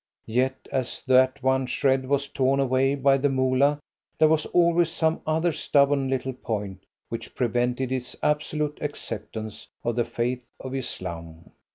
Yet as that one shred was torn away by the Moolah, there was always some other stubborn little point which prevented his absolute acceptance of the faith of Islam.